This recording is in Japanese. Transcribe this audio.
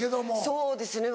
そうですね